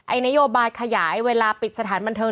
นโยบายขยายเวลาปิดสถานบันเทิง